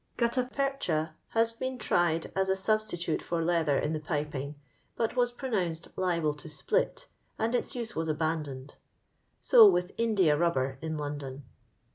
Outta percha has been tried as a snbstxlute for leather in the piping, but was prononuoed liable to split, and its use was abandoned. So vrith India rubber in Loudon.